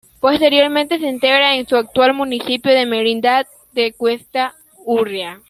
Posteriormente se integra en su actual municipio de Merindad de Cuesta Urria.